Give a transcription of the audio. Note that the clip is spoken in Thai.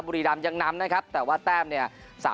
บุรีรำยังนำนะครับแต่ว่าแต้มเนี่ย